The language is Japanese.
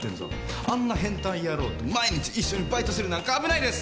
あんな変態野郎と毎日一緒にバイトするなんか危ないです！